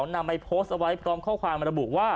นำไอ้โพสต์ไว้ตรงข้อความระบุว่า